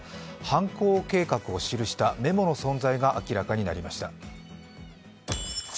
犯行計画を記したメモの存在が明らかになりました。